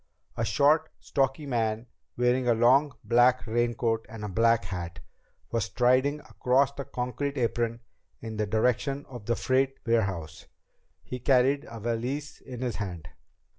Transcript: A short, stocky man, wearing a long black raincoat and a black hat, was striding across the concrete apron in the direction of the freight warehouse. He carried a valise in his hand.